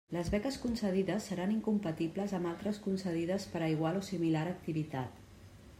Les beques concedides seran incompatibles amb altres concedides per a igual o similar activitat.